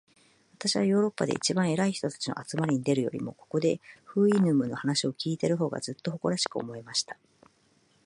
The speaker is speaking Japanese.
私はヨーロッパで一番偉い人たちの集まりに出るよりも、ここで、フウイヌムの話を開いている方が、ずっと誇らしく思えました。